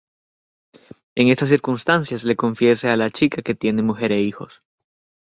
En estas circunstancias, le confiesa a la chica que tiene mujer e hijos.